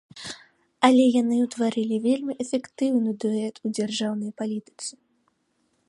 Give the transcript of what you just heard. Але яны ўтварылі вельмі эфектыўны дуэт у дзяржаўнай палітыцы.